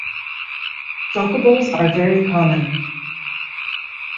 Vocables are very common.